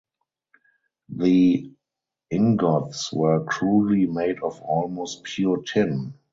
The ingots were crudely made of almost pure tin.